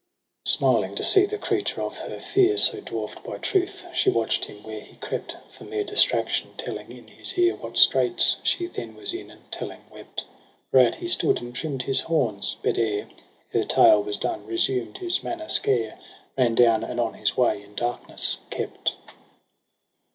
X84. EROS ^ PSYCHE ? Smiling to see the cf eature of her fear So dwarf'd by truth, she watcht him where he crept, For mere distraction telling in his ear What straits she then was in, and telling wept. Whereat he stood and trim'd his horns j but ere Her tale was done resumed his manner scare, Ran down, and on his way in darkness kept.